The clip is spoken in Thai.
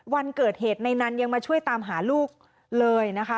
วันเกิดเหตุในนั้นยังมาช่วยตามหาลูกเลยนะคะ